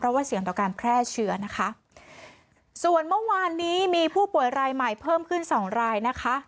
ว่าเสี่ยงต่อการแพร่เชื้อนะคะส่วนเมื่อวานนี้มีผู้ป่วยรายใหม่เพิ่มขึ้นสองรายนะคะ